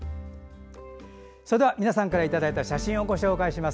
それでは、皆さんからいただいた写真をご紹介します